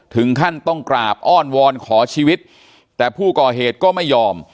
ถึงขั้นต้องกราบอ้อนวอนขอชีวิตแต่ผู้ก่อเหตุก็ไม่ยอม